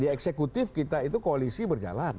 di eksekutif kita itu koalisi berjalan